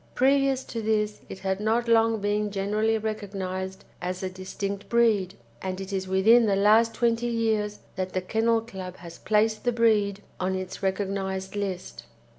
Previous to this it had not long been generally recognised as a distinct breed, and it is within the last twenty years that the Kennel Club has placed the breed on its recognised list.